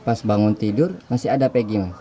pas bangun tidur masih ada pegi mas